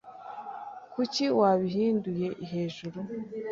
Kuki wabihinduye hejuru?